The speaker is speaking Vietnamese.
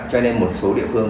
cho nên một số địa phương